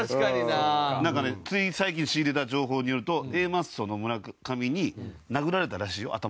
なんかねつい最近仕入れた情報によるとＡマッソの村上に殴られたらしいよ頭を。